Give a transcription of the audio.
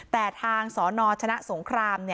แต่ทางสนชนะสงคราม